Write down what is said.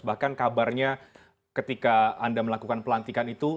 bahkan kabarnya ketika anda melakukan pelantikan itu